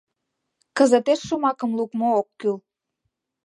— Кызытеш шомакым лукмо ок кӱл.